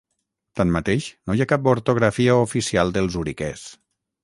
Tanmateix, no hi ha cap ortografia oficial del zuriquès.